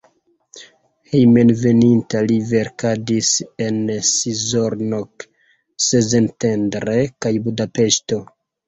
Hejmenveninta li verkadis en Szolnok, Szentendre kaj Budapeŝto.